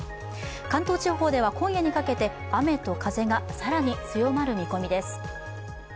関東地方では、今夜にかけて雨と風が更に強まる見込みです。